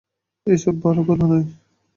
এ-সব ভালো কথা নয়।